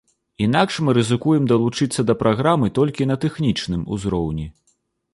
Інакш мы рызыкуем далучыцца да праграмы толькі на тэхнічным узроўні.